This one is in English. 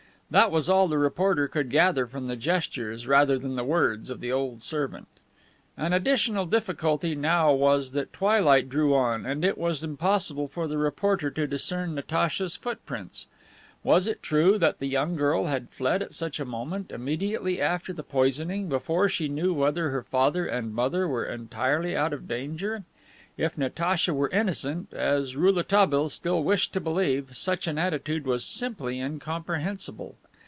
That was all the reporter could gather from the gestures rather than the words of the old servant. An additional difficulty now was that twilight drew on, and it was impossible for the reporter to discern Natacha's foot prints. Was it true that the young girl had fled at such a moment, immediately after the poisoning, before she knew whether her father and mother were entirely out of danger? If Natacha were innocent, as Rouletabille still wished to believe, such an attitude was simply incomprehensible.